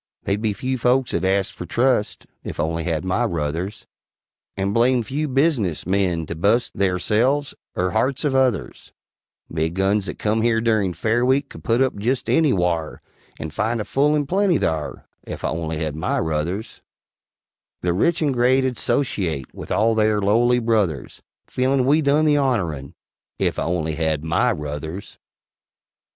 They'd be few folks 'ud ast fer trust, Ef I only had my ruthers, And blame few business men to bu'st Theyrselves, er harts of others: Big Guns that come here durin' Fair Week could put up jest anywhare, And find a full and plenty thare, Ef I only had my ruthers: The rich and great 'ud 'sociate With all theyr lowly brothers, Feelin' we done the honorun Ef I only had my ruthers.